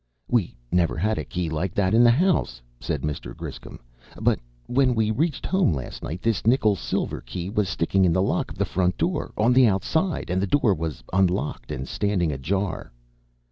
"We never had a key like that in the house," said Mr. Griscom. "But when we reached home last night, this nickel silver key was sticking in the lock of the front door, on the outside, and the door was unlocked and standing ajar."